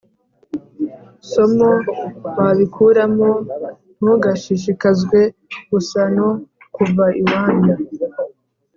somo wabikuramo Ntugashishikazwe gusa no kuva iwanyu